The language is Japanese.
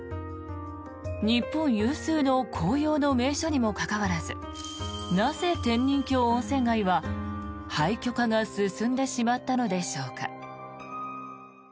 日本有数の紅葉の名所にもかかわらずなぜ、天人峡温泉街は廃虚化が進んでしまったのでしょうか。